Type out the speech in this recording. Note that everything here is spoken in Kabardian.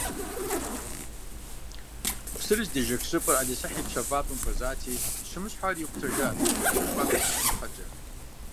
Псыр здежэх щӏыпӏэр ӏэлисахь и пщэфӏапӏэм хуэзати, щымысхьу ари икъутэжат, псым кӏуапӏэ хуищӏын щхьэкӏэ.